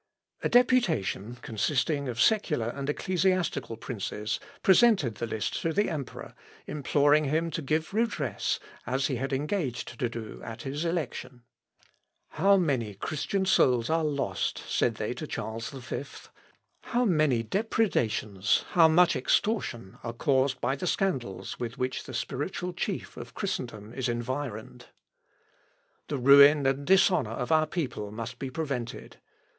A deputation, consisting of secular and ecclesiastical princes, presented the list to the emperor, imploring him to give redress, as he had engaged to do at his election. "How many Christian souls are lost?" said they to Charles V. "How many depredations, how much extortion, are caused by the scandals with which the spiritual chief of Christendom is environed? The ruin and dishonour of our people must be prevented.